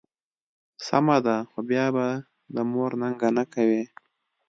سمه ده، خو بیا به د مور ننګه نه کوې.